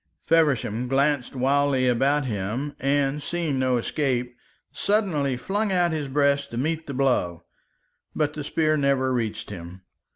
Feversham glanced wildly about him, and seeing no escape, suddenly flung out his breast to meet the blow. But the spear never reached him.